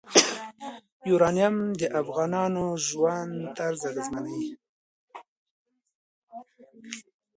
یورانیم د افغانانو د ژوند طرز اغېزمنوي.